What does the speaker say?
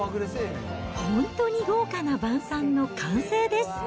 本当に豪華な晩さんの完成です。